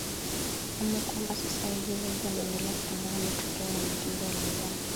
hamu kwamba sasa hivi jaji anaendelea kutangaza matokeo ya majimbo yalio baki